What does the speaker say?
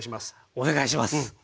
お願いします。